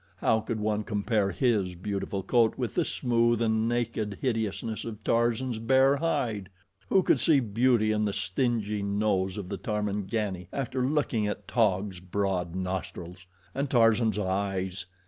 How could one compare his beautiful coat with the smooth and naked hideousness of Tarzan's bare hide? Who could see beauty in the stingy nose of the Tarmangani after looking at Taug's broad nostrils? And Tarzan's eyes!